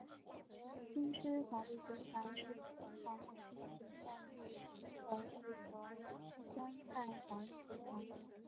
京师法律学堂是清朝末期存在于北京的一所官办法律学堂。